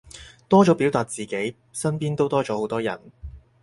多咗表達自己，身邊都多咗好多人